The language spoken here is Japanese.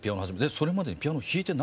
それまでにピアノ弾いてなかったの？